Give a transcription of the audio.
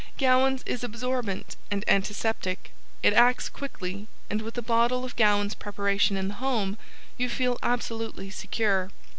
Gowans is absorbant and antiseptic it acts quickly and with a bottle of Gowans Preparation in the home you feel absolutely secure.